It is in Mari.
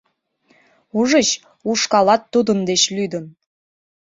— Ужыч, ушкалат Тудын деч лӱдын.